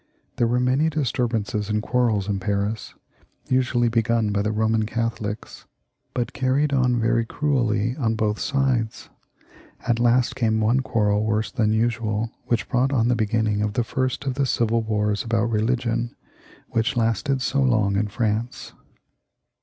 There were many disturbances and quarrels in Paris, usually begun by the Eoman Catholics, but carried on very cruelly on both sides. At last came one quarrel worse than usual, which brought on the beginning of the first of the civil wars about religion, which lasted so long in France.